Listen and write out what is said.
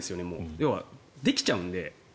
要は言い訳ができちゃうので。